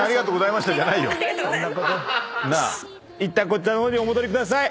いったんこちらの方にお戻りください。